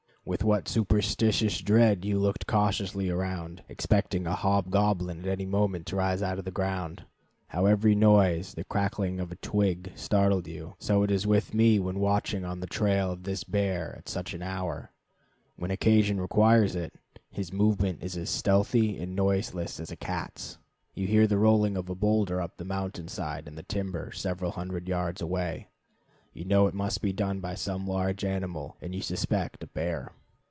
With what superstitious dread you looked cautiously around, expecting a hobgoblin at any moment to rise out of the ground? How every noise the crackling of a twig startled you? So it is with me when watching on the trail of this bear at such an hour. When occasion requires it, his movement is as stealthy and noiseless as a cat's. You hear the rolling of a boulder up the mountain side in the timber several hundred yards away. You know it must be done by some large animal, and you suspect a bear.